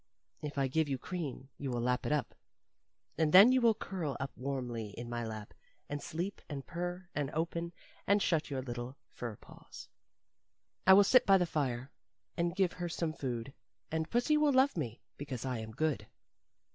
If I give you cream, you will lap it up. And then you will curl up warmly in my lap and sleep and purr and open and shut your little fur paws. 'I will sit by the fire And give her some food, And pussy will love me Because I am good.